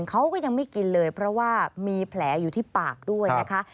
เขาก็ยังไม่กินเลยเพราะว่ามีแผลอยู่ที่ปากด้วยนะคะ